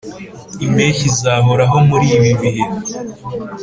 impeshyi izahoraho muribibihe